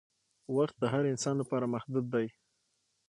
وخت د هر انسان لپاره محدود دی